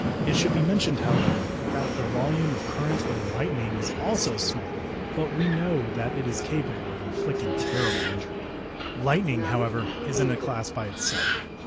It should be mentioned, however, that the volume of current in lightning is also small, but we know that it is capable of inflicting terrible injury. Lightning, however, is in a class by itself.